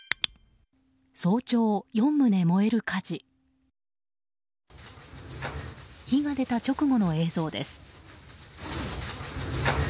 火が出た直後の映像です。